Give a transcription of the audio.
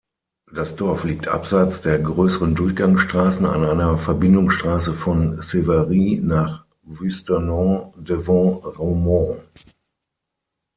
Das Dorf liegt abseits der grösseren Durchgangsstrassen an einer Verbindungsstrasse von Siviriez nach Vuisternens-devant-Romont.